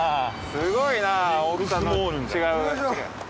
すごいなぁ大きさの違い。